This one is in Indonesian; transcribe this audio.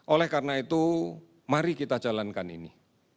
oleh karena itu mari kita jalankan ini